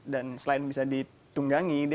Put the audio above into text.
dan selain bisa ditunggangi